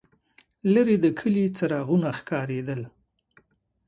لرې د کلي څراغونه ښکارېدل.